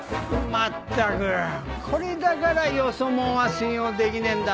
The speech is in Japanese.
まったくこれだからよそ者は信用できねえんだ。